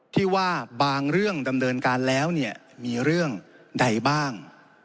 ที่ว่าบางเรื่องดำเนินการแล้วเนี่ยมีเรื่องใดบ้าง